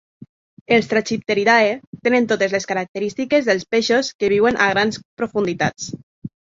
Els Trachipteridae tenen totes les característiques dels peixos que viuen a grans profunditats.